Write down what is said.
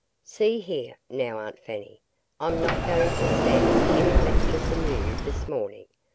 "See here, now, Aunt Fanny, I'm not going to stand any lecture from you this morning.